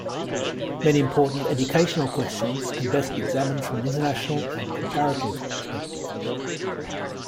Many important educational questions can best be examined from an international and comparative perspective.